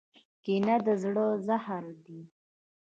کینه د زړه زهر دی.